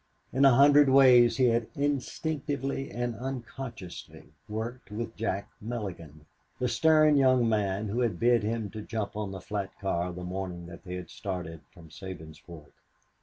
In a hundred ways he had instinctively and unconsciously worked with Jack Mulligan, the stern young man who had bid him to jump on the flat car the morning that they had started from Sabinsport.